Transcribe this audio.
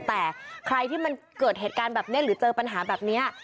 แต่ใครที่มันเกิดเหตุการณ์แบบนี้หรือเจอปัญหาแบบนี้